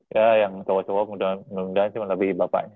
ya yang cowok cowok mudah mudahan cuman lebih bapaknya